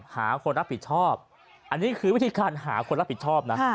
หาคนรับผิดชอบอันนี้คือวิธีการหาคนรับผิดชอบนะ